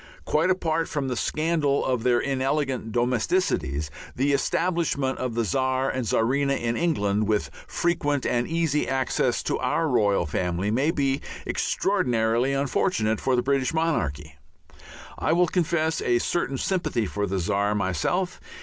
Quite apart from the scandal of their inelegant domesticities, the establishment of the Czar and Czarina in England with frequent and easy access to our royal family may be extraordinarily unfortunate for the British monarchy. I will confess a certain sympathy for the Czar myself.